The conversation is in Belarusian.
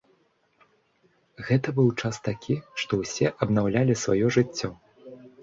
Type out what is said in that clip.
Гэта быў час такі, што ўсе абнаўлялі сваё жыццё.